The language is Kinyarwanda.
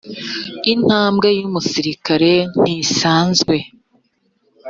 intambwe yumusirikare ntisanzwe.